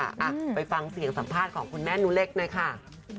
อ่ะไปฟังเสียงสัมภาษณ์ของคุณแม่นุเล็กหน่อยค่ะ